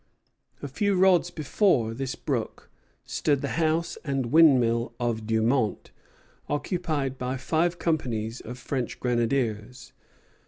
A few rods before this brook stood the house and windmill of Dumont, occupied by five companies of French grenadiers.